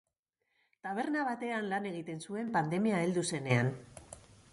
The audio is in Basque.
Taberna batean lan egiten zuen pandemia heldu zenean.